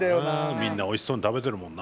みんなおいしそうに食べてるもんな。